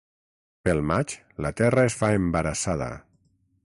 Pel maig la terra es fa embarassada.